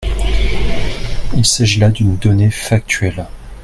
Il s’agit là d’une donnée factuelle.